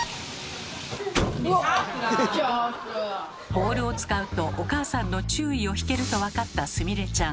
ボールを使うとお母さんの注意を引けると分かったすみれちゃん。